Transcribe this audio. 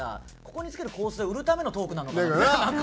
ここにつける香水を売るためのトークなのか。